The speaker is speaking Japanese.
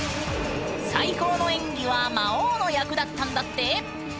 最高の演技は魔王の役だったんだって。